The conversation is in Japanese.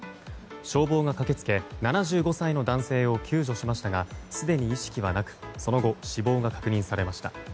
消防が駆け付け７５歳の男性を救助しましたがすでに意識はなくその後、死亡が確認されました。